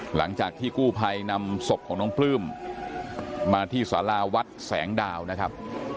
หลังจากที่กู้ภัยนำศพของน้องปลื้มมาที่สาราวัดแสงดาวนะครับ